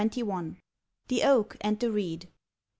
THE OAK AND THE REED.